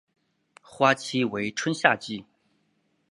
花期为春夏季。